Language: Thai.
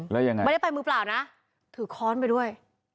แล้วยังไงไม่ได้ไปมือเปล่านะถือค้อนไปด้วย